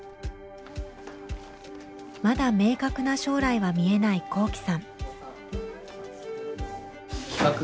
まだ明確な将来は見えない昂志さん。